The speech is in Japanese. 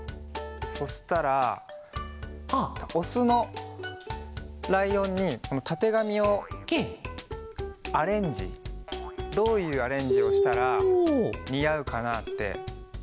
そしたらオスのライオンにたてがみをアレンジどういうアレンジをしたらにあうかなってきいてもらおうかな。